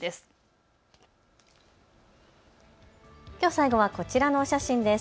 最後はこちらのお写真です。